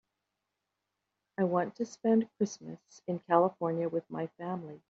I want to spend Christmas in California with my family.